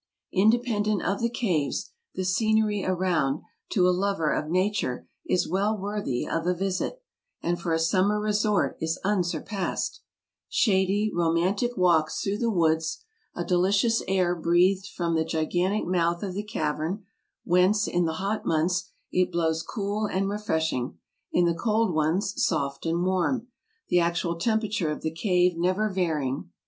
Independent of the caves, the scenery around, to a lover of nature, is well worthy of a visit, and for a summer resort is unsurpassed ; shady, romantic walks through the woods ; a delicious air breathed from the gigantic mouth of the cav ern, whence, in the hot months, it blows cool and refresh ing ; in the cold ones soft and warm ; the actual temperature of the cave never varying.